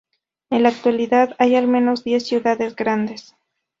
En la actualidad hay al menos diez ciudades grandes.